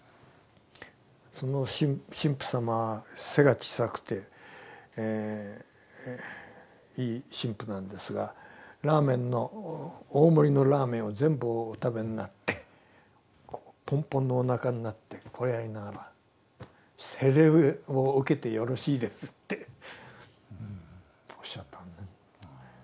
その神父様背が小さくていい神父なんですがラーメンの大盛りのラーメンを全部お食べになってポンポンのおなかになってこれやりながら「洗礼を受けてよろしいです」っておっしゃったのね。